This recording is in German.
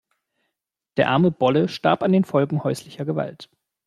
Der arme Bolle starb an den Folgen häuslicher Gewalt.